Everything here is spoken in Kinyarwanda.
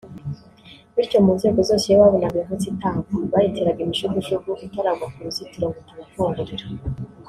Bityo mu ngo zose iyo babonaga inkotsa itamba bayiteraga imijugujugu itaragwa ku ruzitiro ngo itabakungurira